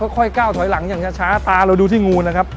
ค่อยก้าวถอยหลังอย่างช้าตาเราดูที่งูนะครับ